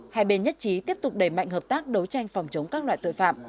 hai bên nhất trí tiếp tục đẩy mạnh hợp tác đấu tranh phòng chống các loại tội phạm